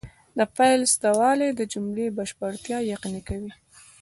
د فاعل سته والى د جملې بشپړتیا یقیني کوي.